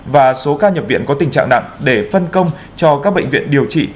và số ca nhập viện có tình trạng nặng để phân công cho các bệnh viện điều trị